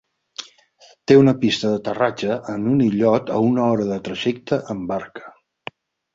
Té una pista d'aterratge en un illot a una hora de trajecte amb barca.